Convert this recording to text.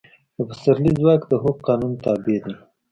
د پسرلي ځواک د هوک قانون تابع دی.